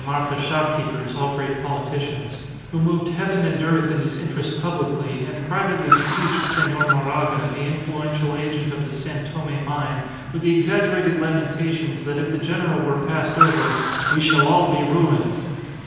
Marta shopkeepers, all great politicians), who moved heaven and earth in his interest publicly, and privately besieged Senor Moraga, the influential agent of the San Tome mine, with the exaggerated lamentations that if the general were passed over, "We shall all be ruined."